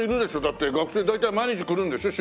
だって学生大体毎日来るんでしょ？